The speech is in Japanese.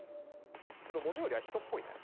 物よりは人っぽいな。